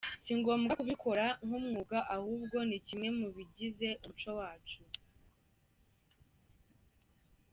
Si ngombwa kubikora nk’umwuga ahubwo ni kimwe mu bigize umuco wacu.